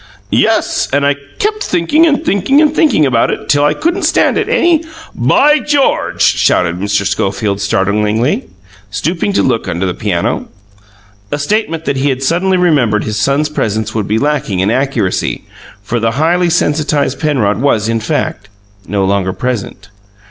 "Yes, and I kept thinking and thinking and thinking about it till I couldn't stand it any " "By GEORGE!" shouted Mr. Schofield startlingly, stooping to look under the piano. A statement that he had suddenly remembered his son's presence would be lacking in accuracy, for the highly sensitized Penrod was, in fact, no longer present.